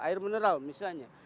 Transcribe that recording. air mineral misalnya